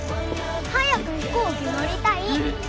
早く飛行機乗りたい！